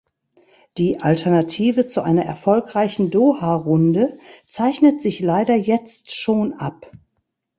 Die Alternative zu einer erfolgreichen Doha-Runde zeichnet sich leider jetzt schon ab.